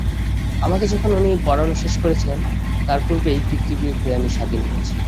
আমাকে যখন উনি পড়ানো শেষ করেছেন তার পূর্বেই পিতৃবিয়োগ হয়ে আমি স্বাধীন হয়েছি।